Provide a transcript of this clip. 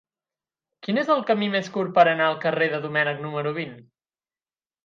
Quin és el camí més curt per anar al carrer de Domènech número vint?